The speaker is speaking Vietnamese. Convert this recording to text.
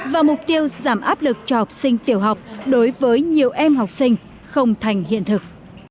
và mục tiêu giảm áp lực cho học sinh tiểu học đối với nhiều em học sinh không thành hiện thực